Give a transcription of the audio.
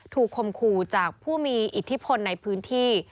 คมขู่จากผู้มีอิทธิพลในพื้นที่